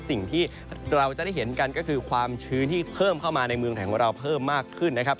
สิ่งที่เราจะได้เห็นกันก็คือความชื้นที่เพิ่มเข้ามาในเมืองไทยของเราเพิ่มมากขึ้นนะครับ